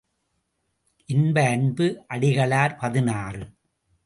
இன்ப அன்பு அடிகளார் பதினாறு .